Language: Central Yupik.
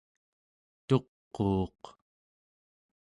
tuquuq